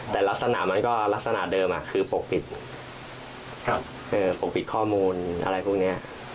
แต่ลักษณะมันก็ลักษณะเดิมคือปกปิดปกปิดข้อมูลอะไรพวกนี้